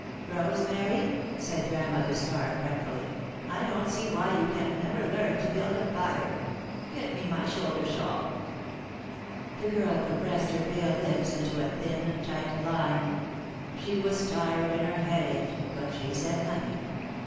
"Rosemary," said Grandmother Starr, fretfully, "I don't see why you can't never learn to build a fire. Get me my shoulder shawl." [Sidenote: Cold and Cross] The girl compressed her pale lips into a thin, tight line. She was tired and her head ached, but she said nothing.